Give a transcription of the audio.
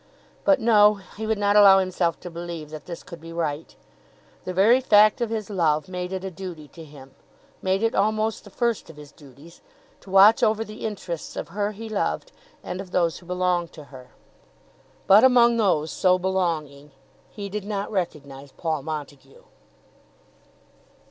But no! He would not allow himself to believe that this could be right. The very fact of his love made it a duty to him, made it almost the first of his duties, to watch over the interests of her he loved and of those who belonged to her. But among those so belonging he did not recognise Paul Montague.